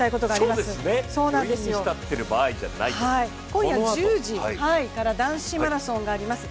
今夜１０時から男子マラソンがあります。